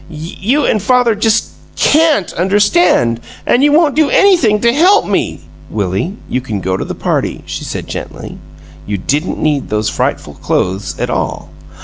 "You and father just CAN'T understand and you won't do anything to help me " "Willie, you can go to the party," she said, gently. "You didn't need those frightful clothes at all."